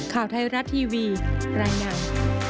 ข่าวไทยรัฐทีวีรายงาน